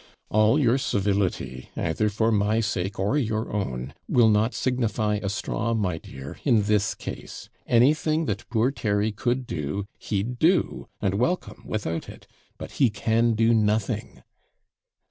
'All your civility, either for my sake or your own, will not signify a straw, my dear, in this case anything that poor Terry could do, he'd do, and welcome, without it; but he can do nothing.'